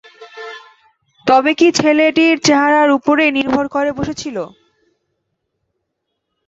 তবে কি ছেলেটির চেহারার উপরেই নির্ভর করে বসেছিলে।